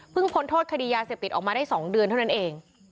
พ้นโทษคดียาเสพติดออกมาได้๒เดือนเท่านั้นเอง